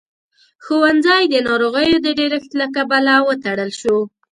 ښوونځی د ناروغيو د ډېرښت له کبله وتړل شو.